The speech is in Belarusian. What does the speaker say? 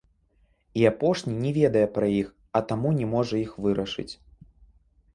І апошні не ведае пра іх, а таму не можа іх вырашыць.